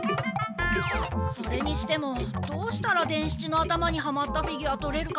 それにしてもどうしたら伝七の頭にはまったフィギュア取れるかなあ。